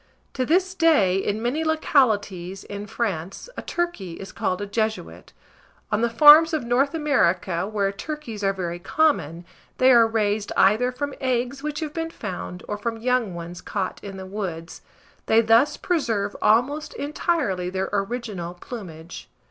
To this day, in many localities in France, a turkey is called a Jesuit. On the farms of N. America, where turkeys are very common, they are raised either from eggs which have been found, or from young ones caught in the woods: they thus preserve almost entirely their original plumage.